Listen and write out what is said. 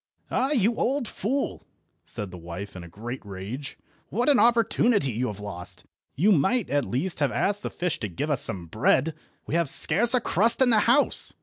"Ah, you old fool!" said the wife in a great rage, "what an opportunity you have lost. You might, at least, have asked the fish to give us some bread. We have scarce a crust in the house."